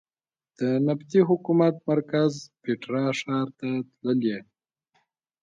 د نبطي حکومت مرکز پېټرا ښار ته تللې.